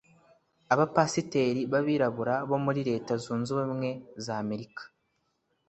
Abapasiteri b’Abirabura bo muri Leta Zunze Ubumwe z’Amerika